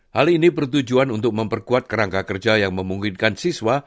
hal ini bertujuan untuk memperkuat kerangka kerja yang memungkinkan siswa